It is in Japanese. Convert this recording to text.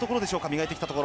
磨いてきたところ。